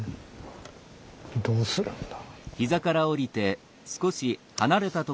どうするんだ。